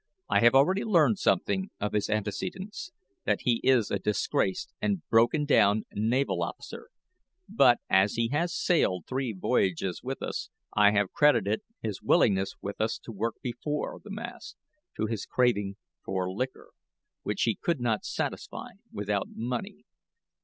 "I have already learned something of his antecedents that he is a disgraced and broken down naval officer; but, as he has sailed three voyages with us, I had credited his willingness to work before the mast to his craving for liquor, which he could not satisfy without money.